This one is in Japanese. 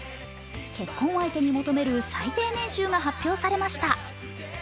結婚相手に求める最低年収が発表されました。